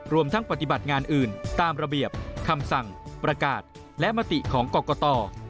รวมทั้งปฏิบัติงานอื่นตามระเบียบคำสั่งประกาศและมติของกรกต